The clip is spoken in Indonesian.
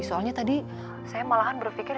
soalnya tadi saya malahan berpikir